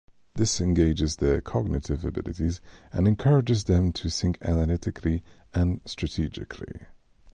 This engages their cognitive abilities and encourages them to think analytically and strategically.